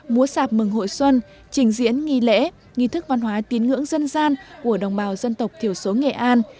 múa sạp mừng hội xuân trình diễn nghi lễ nghi thức văn hóa tín ngưỡng dân gian của đồng bào dân tộc thiểu số nghệ an